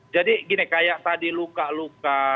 jadi gini kayak tadi luka luka